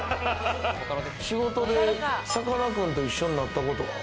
仕事で、さかなクンと一緒になったことは？